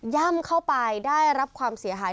่ำเข้าไปได้รับความเสียหาย